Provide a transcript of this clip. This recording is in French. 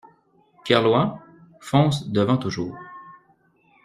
Kerlouan, fonce devant toujours.